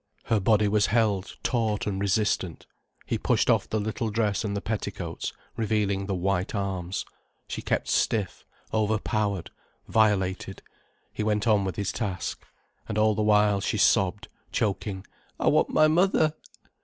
Her body was held taut and resistant, he pushed off the little dress and the petticoats, revealing the white arms. She kept stiff, overpowered, violated, he went on with his task. And all the while she sobbed, choking: "I want my mother."